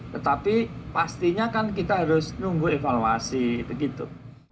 tetapi pastinya kan kita harus nunggu evaluasi begitu